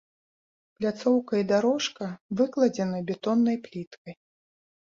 Пляцоўка і дарожка выкладзены бетоннай пліткай.